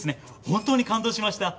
本当に感動しました。